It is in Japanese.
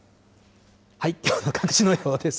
きょうの各地の予報です。